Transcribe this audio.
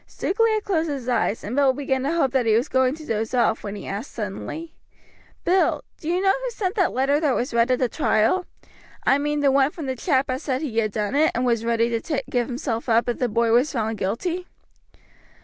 Stukeley had closed his eyes, and Bill began to hope that he was going to doze off, when he asked suddenly; "Bill, do you know who sent that letter that was read at the trial I mean the one from the chap as said he done it, and was ready to give himself up if the boy was found guilty?"